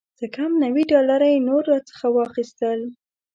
څه کم نوي ډالره یې نور راڅخه واخیستل.